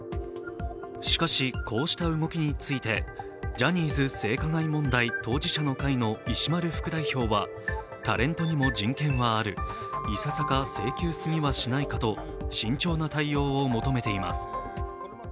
しかし、こうした動きについてジャニーズ性加害問題当事者の会の石丸副代表は、タレントにも人権はある、いささか性急過ぎはしないかと慎重な対応を求めています。